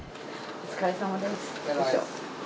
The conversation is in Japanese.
お疲れさまです。